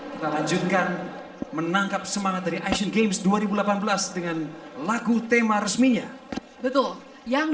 kita lanjutkan menangkap semangat dari asian games dua ribu delapan belas dengan lagu tema resminya betul yang